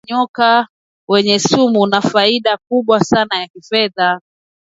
ufugaji wa nyoka wenye sumu unafaida kubwa sana ya kifedha